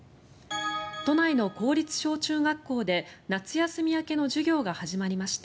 都内の公立小中学校で夏休み明けの授業が始まりました。